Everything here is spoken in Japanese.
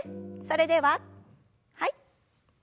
それでははい。